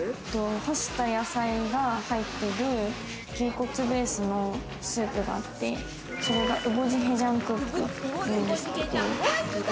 干した野菜が入ってる牛骨ベースのスープがあってそれがウゴジヘジャンクックっていうんですけれども。